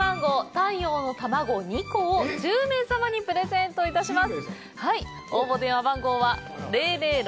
「太陽のタマゴ」２個を１０名様にプレゼントします。